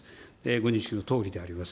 ご認識のとおりであります。